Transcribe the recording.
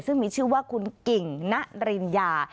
ซึ่งมีชื่อว่าคุณกิ่งณริญญา